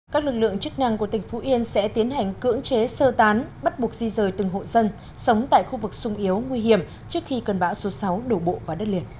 các lực lượng chức năng của tỉnh phú yên sẽ tiến hành cưỡng chế sơ tán bắt buộc di rời từng hộ dân sống tại khu vực sung yếu nguy hiểm trước khi cơn bão số sáu đổ bộ vào đất liền